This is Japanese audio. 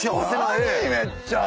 めっちゃ。